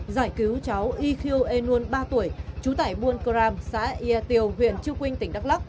giải cứu cháu y khiu e nuân ba tuổi chú tải buôn cram xã y tiều huyện chiêu quynh tỉnh đắk lóc